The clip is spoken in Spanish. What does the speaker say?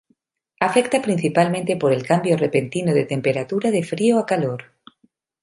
Afecta principalmente por el cambio repentino de temperatura de frío a calor.